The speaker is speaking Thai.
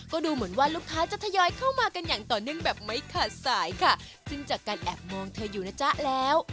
ก็ดูเหมือนว่าลูกค้าจะทยอยเข้ามากันอย่างต่อเนื่องแบบไม่ขาดสายค่ะซึ่งจากการแอบมองเธออยู่นะจ๊ะแล้ว